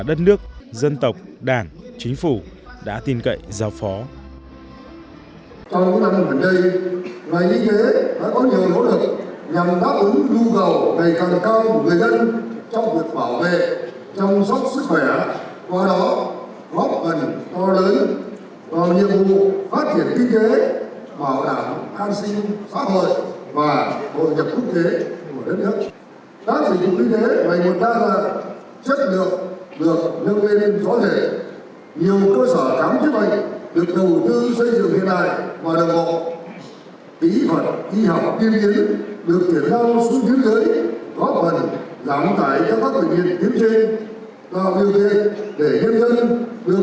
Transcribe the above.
dân tộc đảng chính phủ đã tin cậy giao phó